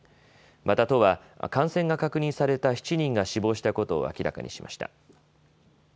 また都は感染が確認された７人が死亡したことを明らかにしました。